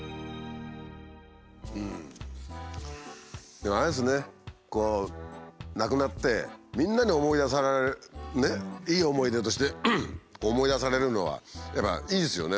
でもあれですねこう亡くなってみんなに思い出されるいい思い出として思い出されるのはやっぱいいですよね